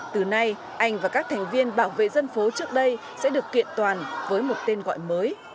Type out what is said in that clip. từ nay anh và các thành viên bảo vệ dân phố trước đây sẽ được kiện toàn với một tên gọi mới